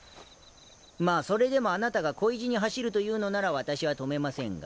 まあそれでもあなたが恋路に走るというのならわたしは止めませんが。